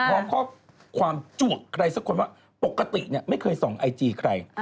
พร้อมข้อความจวกใครสักคนว่าปกติไม่เคยส่องไอจีใคร